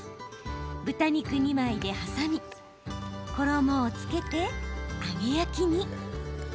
豚肉２枚で挟み衣をつけて揚げ焼きに。